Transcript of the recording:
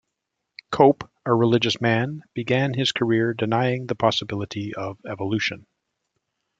Cope, a religious man, began his career denying the possibility of evolution.